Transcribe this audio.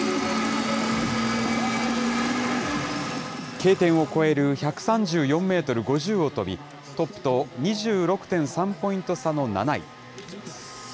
Ｋ点を超える１３４メートル５０を飛び、トップと２６．３ポイント差の７位。